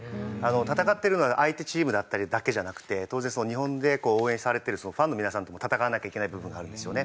戦ってるのは相手チームだけじゃなくて当然日本で応援されてるファンの皆さんとも戦わなきゃいけない部分があるんですよね。